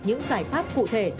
những giải pháp cụ thể